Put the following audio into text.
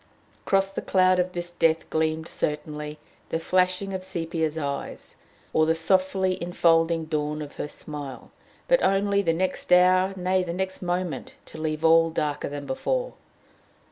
Across the cloud of this death gleamed, certainly, the flashing of Sepia's eyes, or the softly infolding dawn of her smile, but only, the next hour, nay, the next moment, to leave all darker than before.